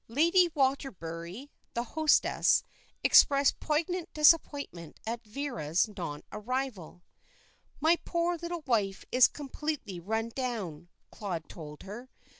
Lady Waterbury, the hostess, expressed poignant disappointment at Vera's non arrival. "My poor little wife is completely run down," Claude told her.